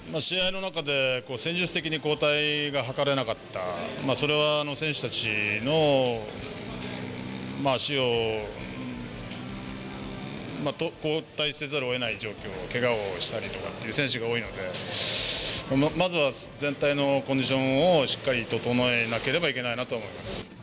เพราะฉะนั้นก็ต้องพันธุ์ส่งธิติพันธุ์มากขึ้น